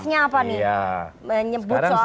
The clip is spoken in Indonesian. kenapa baru sekarang motifnya apa nih